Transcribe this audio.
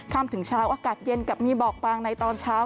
ถึงเช้าอากาศเย็นกับมีหมอกบางในตอนเช้า